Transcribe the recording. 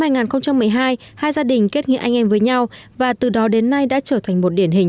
năm hai nghìn một mươi hai hai gia đình kết nghĩa anh em với nhau và từ đó đến nay đã trở thành một điển hình